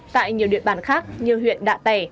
tại nhiều địa bàn khác như huyện đạ tẻ